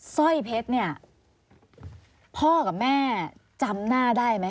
สร้อยเพชรพ่อกับแม่จำหน้าได้มาก